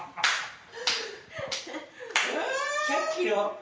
１００キロ？